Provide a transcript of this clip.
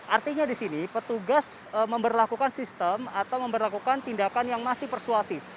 artinya di sini petugas memperlakukan sistem atau memperlakukan tindakan yang masih persuasif